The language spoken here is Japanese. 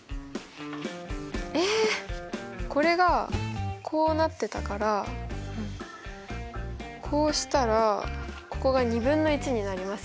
えこれがこうなってたからこうしたらここがになりますよね。